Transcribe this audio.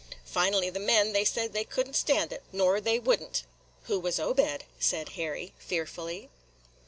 Finally the men, they said they could n't stan' it, nor they would n't." "Who was Obed?" said Harry, fearfully.